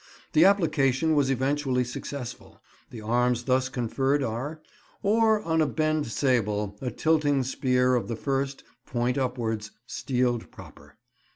The application was eventually successful. The arms thus conferred are: "Or, on a bend sable, a tilting spear of the first, point upwards, steeled proper.